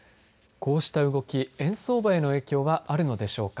こうした動き、円相場への影響はあるのでしょうか。